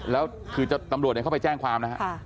แล้วคือตำรวจเข้าไปแจ้งความนะฮะ